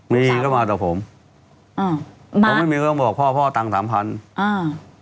มีก็มาแต่ผมอ่าผมไม่มีก็ต้องบอกพ่อพ่อตังค์สามพันอ่า